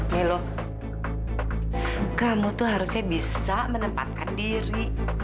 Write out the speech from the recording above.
millo kamu tuh harusnya bisa menempatkan diri